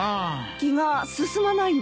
気が進まないんですか？